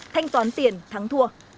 thanh toán tiền thắng thua